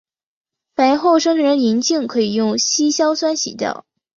反应后生成的银镜可以用稀硝酸洗掉。